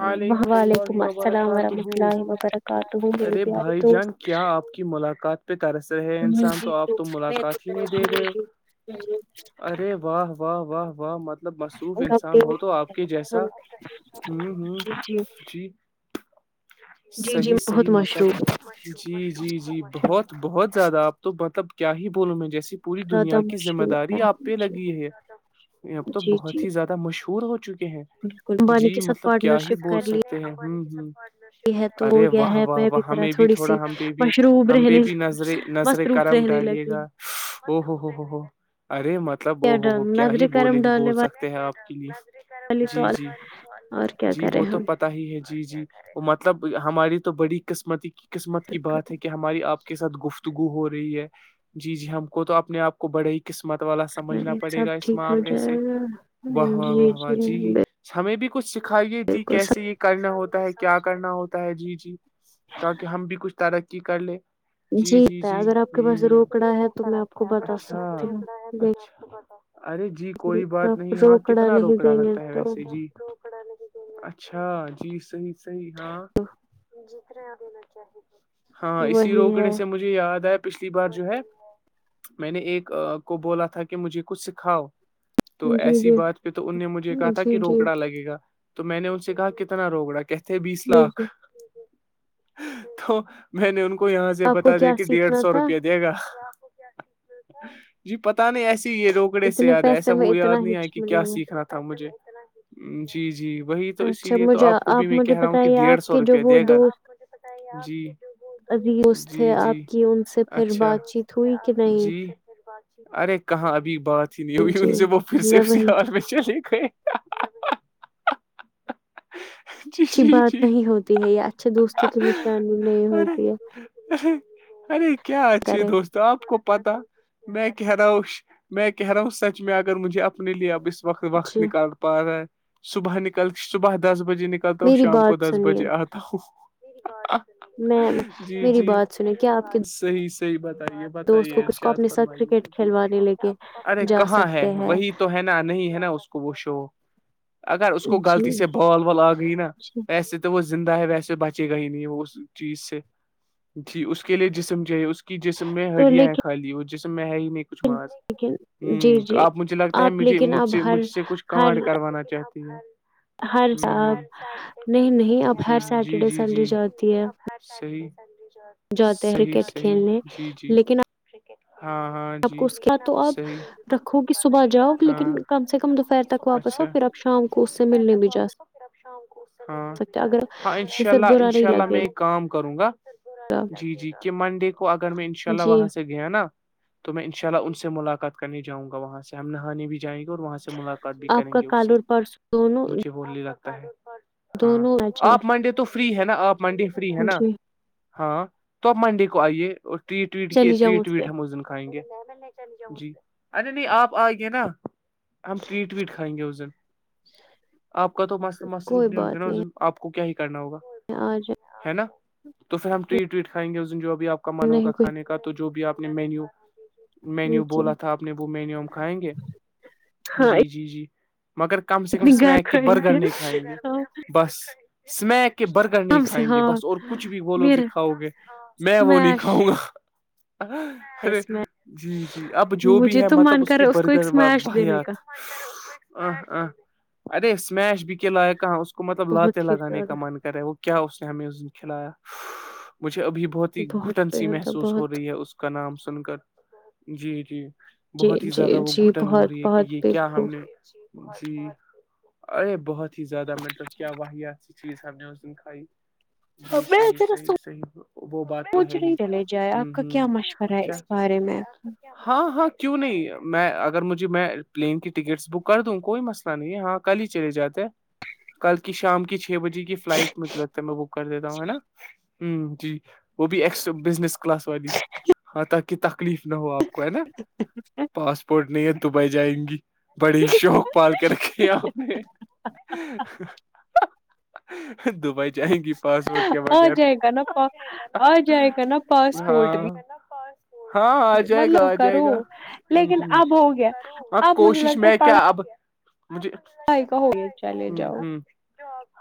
وعلیکم اللہ السلام وبرکاتہ ورحمۃ اللہ وبرکاتہ میرے ارے پیارے بھائی دوست جان کیا آپ کی ملاقات پہ ترسر ہے انسان جی تو آپ تو ملاقات ہی نہیں دے رہے ہو جی ارے واہ واہ واہ واہ مطلب مصروف کب انسان ہو دیں تو آپ کے جیسا ہم ہ ہوں جی جی جی صحیح بہت صحیح مطلب مشرور جی جی جی بہت بہت زیادہ آپ تو مطلب کیا ہی بولوں میں جیسی پوری زیادہ دنیا کی ذمہ مشروب ہے داری آپ ہم پہ جی لگی ہے یہ اب تو جی جی بہت ہی زیادہ مشہور ہو چکے ہیں بالکل امبانی کے سھ پارٹنر شپ کر لییا ہ ج ارے گیا واہ ہے واہ میں واہ ذرا ہمیں بھی تھوڑی تھوڑا سی ہم پہ بھی مشروب ہم رہنے پہ بھی نظریں نظر مصروف کرم رہنے ڈالیے لگی گا او ہو ہو ہو ہو ارے مطلب کیا ا ہو ہو ڈال کیا ہی نظر بولیں کرم ڈالنے بول سکتے ہیں آپ کے لیے والی تو جی جی اور کیا جی کریں وہ تو ہم پتا ہی ہے جی جی وہ مطلب ہماری تو بڑی قسمتی قسمت کی بات ہے کہ ہماری آپ کے ساتھ گفتگو ہو رہی ہے جی جی ہم کو تو اپنے آپ کو بڑے ہی قسمت والا سمجھنا نہیں پڑے سب گا اس ٹھیک ہو معاملے سے جائے گا واہ واہ واہ واہ جی ہمیں بھی کچھ سکھائیے جی بالکل کیسے یہ کرنا ہوتا ہے کیا کرنا ہوتا ہے جی جی تاکہ ہم بھی کچھ ترقی کر لے جی جی جیتا جی اگر آپ کے پاس ہ روکڑا ہے تو میں آپ کو بتا اچھا سکتی ہوں اچھا ارے جی کوئی لیکن بات آپ نہیں ہاں روکڑا کتنا نہیں روکڑا دیں گے لگتا ہے تو ویسے جی اچھا جی صحی صحی ہاں جتر دینا چاہیے ہاں اسی وہی روکڑے ہے سے مجھے یاد آیا پچھلی بار جو ہے میں نے ایک کو بولا تھا کہ مجھے کچھ سکھاؤ تو جی ایسی جی بات پہ تو ان نے مجھے کہا تھا کہ جی جی روکڑا لگے گا تو میں نے ان سے کہا کتنا روکڑا کہتے بیس جی لاکھ جی تو میں نے ان کو یہاں سے آپ کو بتا دیا کیا کہ ڈیڑھ سیکھنا سو تھا روپیہ دے گا جی پتا نہیں ایسے ہی یہ روکڑے سے اتنے یاد ہے ایسا پیسے میں وہ یاد اتنا ہی نہیں آئے کہ ملے کیا گا سیکھنا تھا مجھے جی جی وہی تو اسی اچھا لیے تو مجھے آپ کو بھی میں مجھے کہہ رہا ہوں کہ بتائیے ڈیڑھ آپ سو کے جو روپیہ وہ دے گا جی ابیوز تھے جی جی آپ کی ان سے پھر اچھا بات چیت ہوئی کہ نہیں جی ارے کہاں ابھی بات ہی نہیں جی ہوئی ان سے جی وہ پھر سے میں اسی وہی ہار پ چلے گئے جی اچھی جی بات جی جی نہیں ہوتی ہے یہ اچھے دوستوں کی نشانی نہیں اور ہوتی ہے ارے کیا اچھیے کرے دوست تو آپ کو پتا میں کہہ رہا ہوں میں کہہ رہا ہوں سچ میں اگر مجھے اپنے لیے اب اس وقت وقت جی نکال پا رہا ہے صبح نکل صبح دس بجے نک کرتا ہوں میری شام کو بات دس سنیے بجے آتا ہوں میں جی میری جی بات سنیں کیا آپ کے صحیح صحیح بتائیے دوست بتائیے کو کس کو ارشاد اپنے ساتھ کرکٹ فرمائیے کھلوانے لے کے ارے جا کہاں ہے سکتے ہیں وہی تو ہے نا نہیں ہے نا اس کو وہ شو اگر اس کو جی غلطی سے بال و آ گئی نا جی ایسے تو وہ زندہ ہے ویسے بچے گا ہی نہیں وہ اس چیز سے جی اس کے لیے جسم جو ہے اس کی جسم میں تو ہڈیاں ہیں لیکن خالی وہ جسم میں ہے ہی نہیں کچھ ماس لیکن جی ہ جی آپ مجھے لگتا ہے آپ مجھے لیکن مجھ اب سے ہر مجھ سے کچھ ہر کانڈ کروانا کہتی ہیں ہر نہیں نہیں اب ہر سٹرڈے سنڈے جاتی ہے صی جاتے ہیں صیح کرکٹ صیح کھیلنے جی جی لیکن کرکٹ ہاں ہاں آپ جی کو اس لیک کے آپ تو صحیح رکھو کہ نکالا صبح جاؤ جاہے ہاں لیکن کم سے کم دوپہر تک واپس آ پھر اپ شام کو ک اس سے دوپہر ملنے بھی تک جا واپس ہو پھر آپ شام کو سکتے اگر ہاں یہ انشاء پھر اللہ برا نہیں انشاء اللہ لگے میں کام کروں گا گا جی جی کہ منڈے کو اگر میں ان شاء اللہ جی وہاں سے گیا نا تو میں ان شاء اللہ ان سے ملاقات کرنے جؤں گا وہاں سے ہم نہانے بھی جائیں گی اور وہاں سے ملاقات آپ کا کالور پرس نچے بولنے لگتا ہے ہاں دونوں میچ ہے آپ منڈے تو فری ہے نا آپ منڈے فری ہے نا جی ہاں تو اب منڈے کو آئیے اور ری ٹویٹ کی چلی جاؤں ٹری پہ ٹویٹ ہم اس دن کھائیں گے جی ارے نہیں آپ آئیں گے نا ہم ٹریٹ ویٹ کھائیں گے اس دن ج آپ کا تو مصروف نہیں ہوگے نا آپ کو کیا ہی کرنا ہوگا اور ج ہے نا تو پھر ہم ٹریٹ ویٹ کائیں گے اس دن جو ابھی آپ کا من نہیں ہوگا کھانے کا تو جو بھی آپ نے مینیو کوئی مینیو جی بولا تھا آپ نے وہ مینیو ہم کھائیں گے ہاں جی جی جی مگر کم سے کم اتنی گھر اسمیک کے کھائیں برگر گے نہیں کھائیں گے ہم بس اسمیک کے برگر نہیں سے کھائیں گے ہاں بس اور کچھ بھی بولو گے میرا کاؤ گے میں وہ نہیں اسمیش کھاؤں گا ہے ارے اسمیش جی جی اب جو بھی مجھے ہے تو مطلب من اس کر کی رہا ہے کو ایک برگرگر اسمیش دینے کا ویات ہاں آ آ ارے اسمیش بھی کے لائق اس کو مطلب لاتے بہت ہی لگانے زیادہ کا مان رہے وہ کیا اس نے ہمیں اس نے کھلایا مجھے ابھی بھی بہت ہی گھٹن سی بےحدہ محسوس ہو بہت رہی ہے اس کا نام سن کر جی جی جی بہت ہی جی زیادہ وہ جی گھٹن ہو بہت رہی ہے کہ بہت یہ کیا بالکل ہم نے جی ارے بہت ہی زیادہ مطلب کیا واحت چیز ہم نے اس دن کھائی جی میں صحی ذرا صحیح صحیح وہ بات تو سوچ ہے رہی ہی چلے جائے آپ کا ہوں کیا ہ مشورہ ہے اس بارے میں ہاں ہاں کیوں نہیں میں اگر مجھے میں پلین کی ٹکٹس بک کر دوں کوئی مسئلہ نہیں ہاں کل ہی چلے جاتے ہیں کل کی شام کی چ چھ بجے کی فلائٹ مجھے لگتا ہے میں بک کر دیتا ہوں ہے نا ہ جی وہ بھی ایکسٹ بزنس کلاس والی ہاں تاکہ تکلیف نہ ہو آپ کو ہے نا میں پاسپورٹ نہیں ہے دبئی جائیں گی بڑی شوک پال کر کے آپ نے ہ دبئی جائیں گی پاسورٹ کے آ بغیر جائے گا نا پا آ جائے گا نا پاسپورٹ ہاں بھی ہاں آ جائے گا مطلب آ کرو جائے گا ہ لیکن ہ اب ہو گیا ہاں اب مجھے کوشش لگتا ہے میں کیا پڑھائی اب مجھے کا ہو گیا چلے جاؤ ہ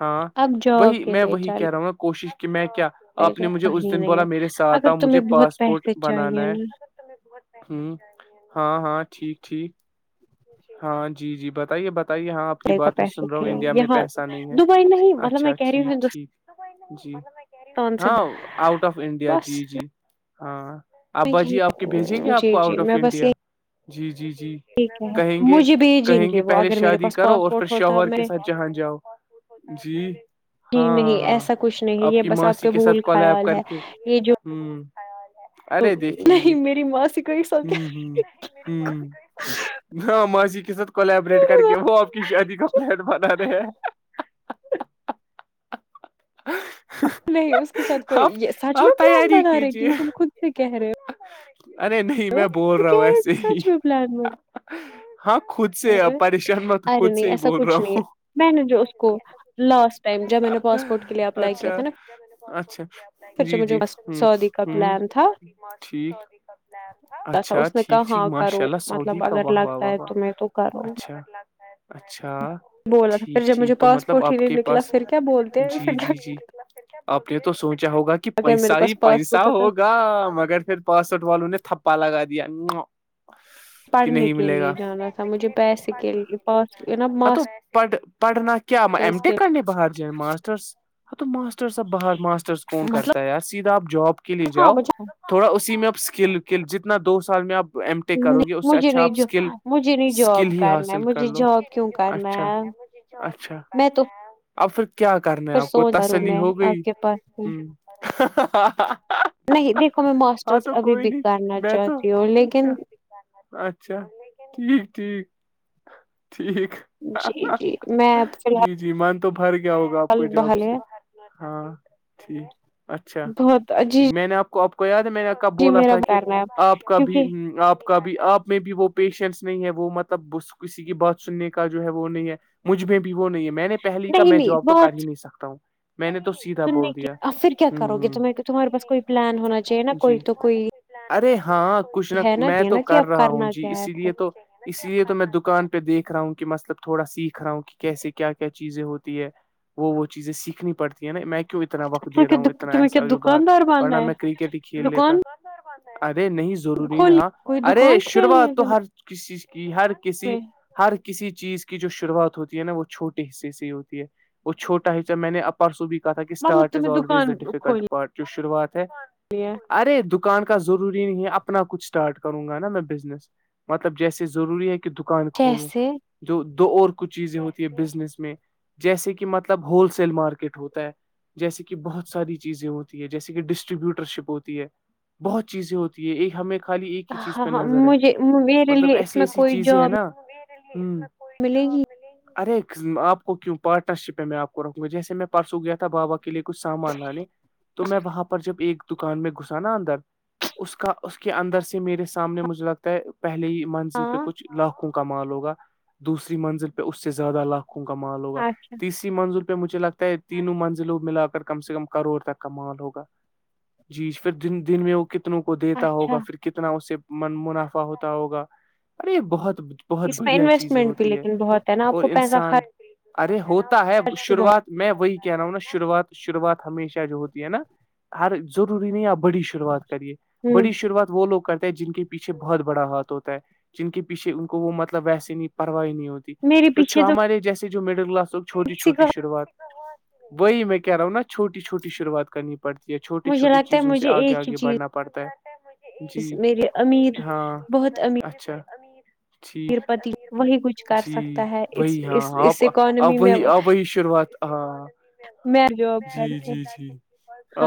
ہاں اب جاب وہی کے میں لیے وہی کہہ رہا چلے ہ گا کوشش کہ میں کیا آپ نے جاؤ مجھے اس کہیں دن نہیں بولا ہے میرے ساتھ آؤ اگر مجھے تمہیں بہت پاسپورٹ پیسے بنانا چاہیے ہے نا ہوں ہاں ہاں ٹھیک ٹھیک ہاں جی جی بتائیے بتائیے ہاں آپ کی لے گا بات میں سن پیسے رہا کے ہوں لیے، انڈیا میں یہاں پیسہ نہیں ہے دبئی نہیں مطلب اچھا میں کہہ رہی ٹھیک ہوں ہندوستان ٹھیک جی سے ہاں آؤٹ آف انڈیا بس جی جی ہاں میں ابا جی آپ کے بھیجیں گے یہی آپ جی کو جی آؤٹ آف میں بس انڈیا یہی جی جی جی ٹھیک ہے کہیں گے مجھے بھیجیں کہیں گے وہ پہلے اگر میرے شادی پاس کرو اور پھر پاسپورٹ ہوتا شوہر کے میں ساتھ جہاں جاؤ جی جی ہاں نہیں ہاں ہاں ایسا کچھ نہیں ہے، آپ یہ کی بس ماسی کا کے ساتھ بھول کال آپ خیال کر ہے کے یہ جو ہ ارے دیکھیں گے نہیں میری ماسی کو ایک ساتھ ہوں کیا ہ ہ نہ ماضی کے سات کولیبریٹ میری کر ماں کے وہ آپ کی شادی کا پلٹ بنا رہے ہیں [inaudible] نہیں اس کے ساتھ کوئی آپ یہ سچ میں آپ پلان تیاری بنا رہے کہ کیجیے یہ تم خود سے کہہ رہے ہو ارے نہیں میں بول رہا ہوں ایسے ہی پلٹ م ہاں خود سے پریشان میں تو ارے خود سے نہیں ہی ایسا بول رہا کچھ نہیں ہوں ہے میں نے جو اس کو لاسٹ جب میں نے پاسپورٹ کے لیے اپلائی کیا اچھا تھا نا اچھا پھر جی جی مجھے ہ سعودی کا ہ پلان تھا ٹھیک اھا اچھا اس نے کہا ٹھیک ٹھیک ہاں ماشاء کرو اللہ سعودی مطلب کا اگر واہ لگ واہ واہ جائے واہ تمہ تو اور اچھا اچھا بولا تھا پھر ٹھیک جب مجھے ٹھیک تو مطلب پاسپورٹ ہی آپ نہیں کے نکلا پاس پھر کیا بولتے ہیںھر جی ڈ جی جی آپ نے تو سوچا ہوگا کہ اگر میرے پیسا ہی پاس پیسا پاسپورٹ ہوتا ہوگا مگر پھر پاسٹھ والوں نے تھپا لگا دیا کہ پڑھنے نہیں کے ملے لیے جانا تھا گاےھنے کے مجھے پیسے کے لیے پاس نا ہاں تو پھ پڑنناا کیا ایم ماسٹرس ے کے کرن بہار جائیں ماسٹرس ہ تو ماسٹرس اب بہر ماسٹرس کون لیے، کرتا مطلب ہے یار سیدھا آپ جاب کے لیے ہاں جاؤ مجھے تھوڑا اسی میں اب اسکلکل جتنا دو سال میں اب ایم ے نہیں کرو گے اس سے مجھے اچھا نہیں آپ جو اسکل مجھے نہیں جاب اسکل ہی کرنا ہے حاصل کر مجھے لو جاب کیوں کرنا اچھا ہے اچھا میں تو اب پھر کیا کرنا ہے پھر آپ کو سوچ کروں تسلی میں ہو گئی آپ کے پاس میں ہ نہیں دیکھو میں ماسٹر ہاں تو ابھی کوئی بھی نہیں کرنا نہیں میں تو چاہتی میکپ ہوں آپ کو اچھا لیکن کبھی اچھا ٹھیک ٹھیک ٹھیک جی جی میں فی جی جی من تو بھر گیا ہوگا آپ الحال کو جاب بحال سے ہے ہاں ٹھیک اچھا بہت جی جٹ میں نے آپ کو آپ کو یاد ہے میں نے کا جی بولا میرا تھا کہ کرنا ہے آپ کا بھی کیونکہ آپ آ کا بھی آپ میں بھی وہ پیشنس نہیں ہے وہ مطلب کسی کی بات سننے کا جو ہے وہ نہیں ہے مجھ میں بھی وہ نہیں ہے میں نے پہل کا نہیں میں نہیں جاب تو بہت کر ہی نہیں سکتا ہوں میں نے تو سیدھا سننے بول کی دیا آپ پھر کیا ہ کرو گے ہ تمہیں تمہارے پاس کوئی پلان ہونا چاہیے نا کوئی جی تو کوئی ارے ہاں کچھ نہ ہے نا میں یہ تو نا کہ کر اب رہا ہوں کرنا جی کیا ہے اسی پھر لیے تو اس لیے تو میں دکان پہ دیکھ رہا ہوں کہ مطلب تھوڑا سیکھ رہا ہوں کہ کیسے کیا کیا چیزیں ہوتی ہے وہ چیزیں سیکھنی پڑتی میں کیوں اتنا وقت دے تمہیں رہا ہوں کیا اتنا تمہیں کیا ایسا جو باہر دکاندار بننا ورنہ ہے میں کرکٹ ہی کھیل لیتا دکان ارے نہیں ضروری نہیں کھولنی ہاں کوئی ارے دکان کھیلنی ہے شروعات تو ہر تمہیں کسیز کی ہر کسی ہر کسی چیز کی جو شروعات ہوتی ہے نا وہ چھوٹی حصے سےی ہوتی ہے وہ چوٹا ہیچہ میں نے اپارسو بھی کہا تھا کہ مطلب اسٹارٹ از تمہیں آلویز دا دکان ڈفیکلٹ پارٹ کی شروعات ہے جی ہے ارے دکان کا ضروری نہیں ہے اپنا کچھ اسٹارٹ کروں گا نا میں بزنس مطلب جیسے ضروری ہے کہ دکان کھولوں جیسے جو دو اور کچھ چیزیں ہوتی ہے بزنس میں جیسے کہ مطلب ہول سیل مارکیٹ ہوتا ہے جیسے کہ بہت ساری چیزیں ہوتی ہے جیسے کہ ڈسٹریبیوٹر شپ ہوتی ہے بہت چیزیں ہوتی ہے ایک ہمیں خالی ایک ہی چیز ہاں پہ ہاں نظر ہے مجھے میرے مطلب لیے اس ایسی میں ایسی کوئی چیزیں ہے جاب نا ہ ملے گی ار ایک آ کو کیوں پارٹنر شپ ہے میں آپ کو رکھوں گا جیسے میں پرسوں گیا تھا بابا کے لیے کھ سامان لانے تو میں وہاں پر جب ایک دکان میں گھسا نا اندر اس کا اس کے اندر سے میرے سامنے مجھے لگتا ہے پہلے ہی منزل پہ ہاں کچھ لاکھوں کا مال ہوگا دوسری منزل پہ اس سے زیادہ لاکھ کا مال ہوگا اچھا تیسری منزل پہ مجھے لگتا ہے تینوں منزلوں ملا کر کم سے کم کروڑ تک کا مال ہوگا جی پھرن دن میں کتنوں کو دیتا اچھا ہوگا پھر کتنا اس سے من منافع ہوتا ہوگا ارے یہ بہت بہت اس میں بڑھیا چیزیں انویسٹمنٹ بھی ہوتی ہے لیکن بہت ہے نا آپ اور کو پیسہ انسان ارے ہوتا ہے خرچ بھی بہت شروعات میں وہی کہہ رہا ہوں نا شروعات شروعات ہمیشہ جو ہوتی ہے نا ہر ضروری نہیں یا بڑی ش شروعات کریے ہوں بڑی شروعات وہ لوگ کرتے ہیں جن کی پیچھے بہت بڑا ہاتھ ہوتا ہے جن کے پیچھے ان کو وہ مطلب ویسے نہیں پرواہ نہیں ہوتی میرے پیچھے جو تو ہمارے جیسے جو مڈل کلاس چھوٹی کسی چھوٹی کا شروعات وہی میں کہہ رہا ہوں نا چھوٹی چھوٹی شروعات کرنی پڑتی ہے چھوٹی مجھے چھوٹی لگتا ہے چیزوں سے مجھے آگے آگے بڑھنا پڑتا ہے جی میرری امیر ہاں بہت امیر اچھا ٹھیک پتی وہی کچھ کر جی سکتا ہے اس وہی ہاں اس آپ اس اکانمی اب میں وہی ابی شروعات ہاں میں جاب کر جی کے جی جی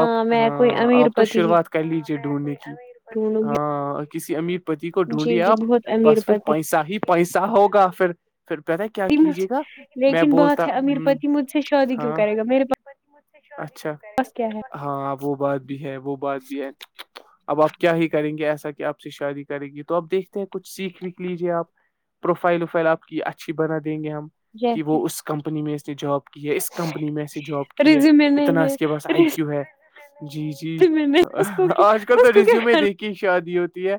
آپ میں کوئی ہاں امیر آپ تو پتی ہی شروعات کر لیجے ڈھونڈنے کی ڈھونڈوں گی ہاں کسی امیر پتی کو جی ڈھونڈی جی آپ بہت امیر بس پھر پتی پیسہ ہی پیسا ہوگا پھر پھر پہلے کیا کیجے گا میں لیکن بات بولتا ہے امیر ہوں پتی مجھ سے شادی کیوں ہاں کرے گا میرے پ اچھا ہاں وہ بات بھی ہے وہ بات بھی ہے اب آپ کیا ہی کریں گے ایسا کہ آپ سے شادی کریں گی تو آپ دیکھ ہے کچھ سیکھ وکھ لیجیے آپ پروفائل افائل آپ کی اچھی بنا دیں گے ہم کہ جیسے وہ اس کا کمپنی میں ای نے جاب کی ہے اس کمپنی میں ایے جاب کی ہے ریزیومے نہیں اتنا ہے اس کے پاس آئی کیو ہے جی جی ریزیومے نہیں اس کو کیا آج کل اس تو کو کیا ریزیو میں کرنا دیک کی شادی ہوتی ہے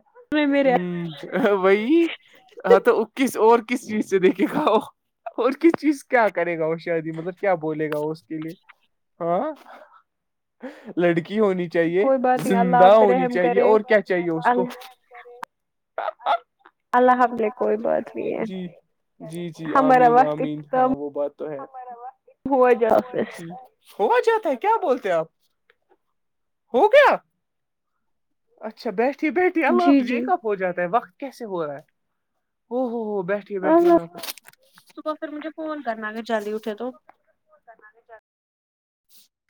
ہوں وہی ہاں تو کس اور کس چیز سے دیکھے گا وہ اور کس چیز کیا کرے گا وہ شایدی مطلب کیا بولے گا وہ اس کے لیے ہاں لڑکی ہونی چاہیے کوئی بات نہیں اللہ زندہ آپ پہ ہونی رحم چاہیے کرے اور کیا چاہیے اس کو اللہ اللہ حف جی جی جی ہمارا آمین وقت آمین ہاں اختتام وہ بات تو ہے ہوا جا جی ہو جاتا ہیں کیا بولتے آپ ہو گیا اچھا بیٹھی بیٹھی اللہ جی حافظ جی یہ کب ہو جاتا ہے وقت کیسے ہو رہا ہے ہو ہو ہو بیٹ بیٹھی بیٹھیے اللہ گ صبح پھر مجھے فون کرنا اگر جلدی اٹھے تو پت بھی جگ [unintelligible] [inaudible]